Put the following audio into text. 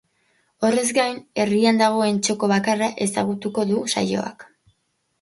Horrez gain, herrian dagoen txoko bakarra ezagutuko du saioak.